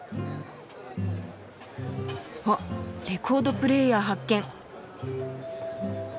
あっレコードプレーヤー発見。